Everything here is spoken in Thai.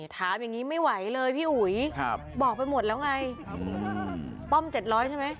ถามอย่างนี้ไม่ไหวเลยพี่อุ๋ยบอกไปหมดแล้วไงป้อม๗๐๐ใช่ไหม